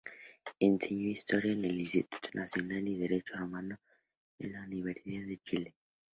Enseñó Historia en el Instituto Nacional y Derecho Romano en la Universidad de Chile.